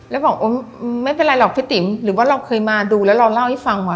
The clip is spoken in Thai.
แล้วบอกไม่เป็นไรหรอกพี่ติ๋มหรือว่าเราเคยมาดูแล้วเราเล่าให้ฟังว่